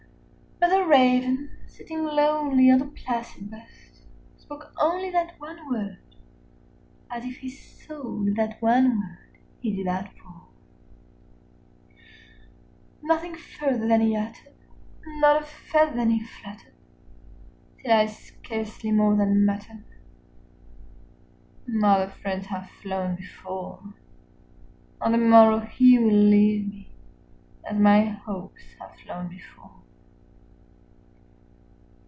But the Raven, sitting lonely on the placid bust, spoke only 55 That one word, as if his soul in that one word he did outpour. Nothing further then he uttered, not a feather then he fluttered, Till I scarcely more than muttered, "Other friends have flown before; On the morrow he will leave me, as my Hopes have flown before."